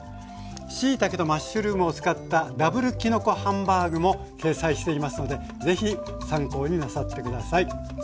しいたけとマッシュルームを使ったＷきのこハンバーグも掲載していますのでぜひ参考になさって下さい。